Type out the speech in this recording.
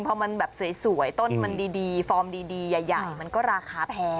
พอมันแบบสวยต้นมันดีฟอร์มดีใหญ่มันก็ราคาแพง